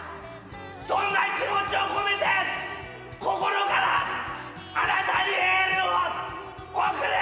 そんな気持ちを込めて心からあなたにエールを送る！